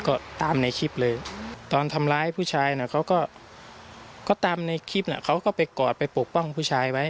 ก็ตามในคลิปเลยตอนทำร้ายผู้ชายน่ะเขาก็ตามในคลิปเขาก็ไปกอดไปปกป้องผู้ชายไว้